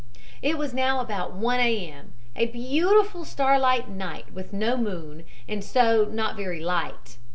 "It was now about 1 A. M.; a beautiful starlight night, with no moon, and so not very light.